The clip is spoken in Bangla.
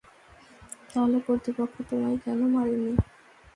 তাহলে, কর্তৃপক্ষ তোমায় কেন মারেনি?